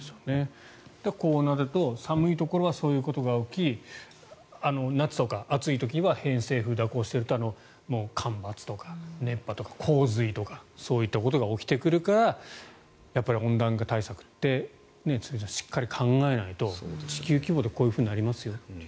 こうなると寒いところはそういうことが起き夏とか暑い時は偏西風、蛇行していると干ばつとか熱波とか洪水とかそういうことが起きてくるから温暖化対策って堤さん、しっかり考えないと地球規模でこういうふうになりますよと。